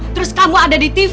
terus kamu ada di tv